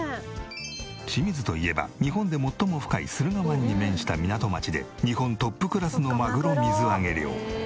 清水といえば日本で最も深い駿河湾に面した港町で日本トップクラスのマグロ水揚げ量。